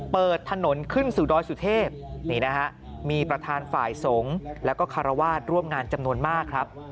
เปิดถนนขึ้นสู่ดอยสุเทพนี่นะฮะมีประธานฝ่ายสงฆ์แล้วก็คารวาสร่วมงานจำนวนมากครับ